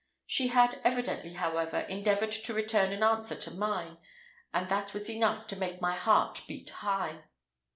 She had evidently, however, endeavoured to return an answer to mine, and that was enough to make my heart beat high.